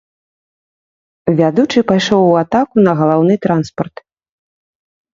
Вядучы пайшоў у атаку на галаўны транспарт.